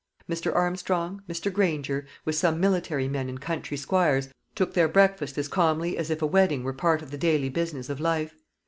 Mr. Armstrong, Mr. Granger, with some military men and country squires, took their breakfast as calmly as if a wedding were part of the daily business of life.